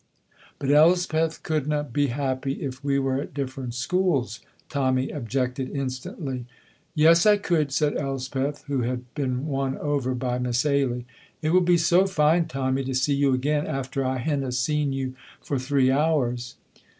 "But Elspeth couldna be happy if we were at different schools," Tommy objected instantly. "Yes, I could," said Elspeth, who had been won over by Miss Ailie; "it will be so fine, Tommy, to see you again after I hinna seen you for three hours."